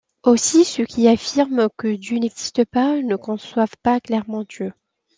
Aussi, ceux qui affirment que Dieu n’existe pas, ne conçoivent pas clairement Dieu.